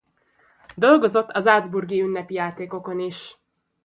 Dolgozott a Salzburgi Ünnepi játékokon is.